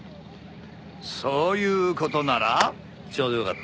そういう事ならちょうどよかった。